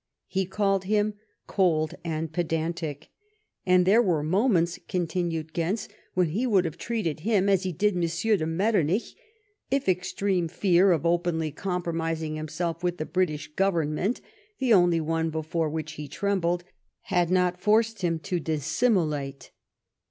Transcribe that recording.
He called him " cold and pedantic," "and there were moments,' continued Geutz, " when he would have treated him as he did M. de Metternich, if extreme fear of openly compromising himself with the British Govcruiueut (the only one before which he trembled) had not forced him to dissimulate."